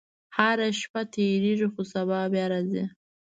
• هره شپه تېرېږي، خو سبا بیا راځي.